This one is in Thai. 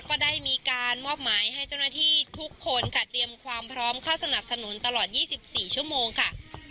ก็ได้มีการมอบหมายให้เจ้าหน้าที่ทุกคนค่ะเตรียมความพร้อมเข้าสนับสนุนตลอด๒๔ชั่วโมงค่ะ